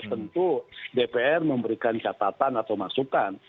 tentu dpr memberikan catatan atau masukan